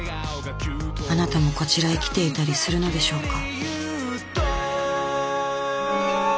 あなたもこちらへ来ていたりするのでしょうか。